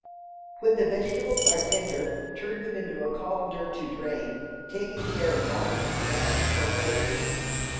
When the vegetables are tender, turn them into a colander to drain, taking care not to mash or break them.